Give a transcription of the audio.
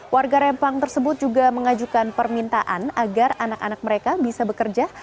warga rempang tersebut juga mengajukan permintaan agar anak anak mereka bisa bekerja